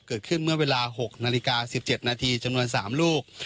เกิดขึ้นเมื่อเวลา๖นาฬิกา๑๗นาทีจำนวน๓ลูก